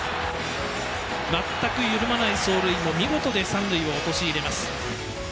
全く緩まない走塁も見事で三塁も陥れます。